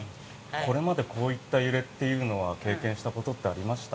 これまでこういった揺れというのは経験したことってありました？